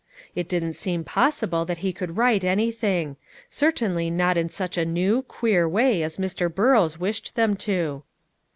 It didn't seem possible that he could write anything: certainly not in such a new, queer way as Mr. Burrows wished them to.